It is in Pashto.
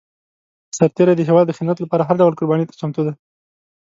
سرتېری د هېواد د خدمت لپاره هر ډول قرباني ته چمتو دی.